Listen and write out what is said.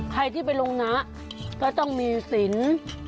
ใครที่ไปลงนะก็ต้องมีสิน